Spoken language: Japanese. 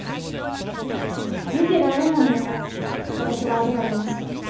見てられなんだから私が預かりました。